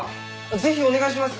ぜひお願いします。